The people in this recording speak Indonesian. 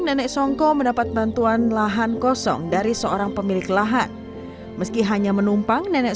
nenek songko mendapat bantuan lahan kosong dari seorang pemilik lahan meski hanya menumpang nenek